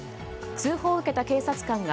通報を受けた警察官が